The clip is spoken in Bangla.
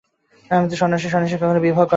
আমি তো সন্ন্যাসী, সন্ন্যাসী কখনও বিবাহ করে না।